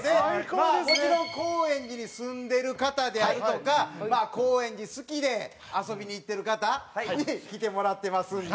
まあもちろん高円寺に住んでる方であるとかまあ高円寺好きで遊びに行ってる方に来てもらってますんで。